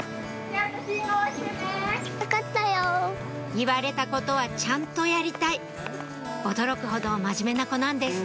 言われたことはちゃんとやりたい驚くほど真面目な子なんです